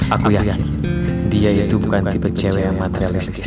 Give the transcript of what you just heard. aku yakin dia itu bukan tipe cewe yang materialistis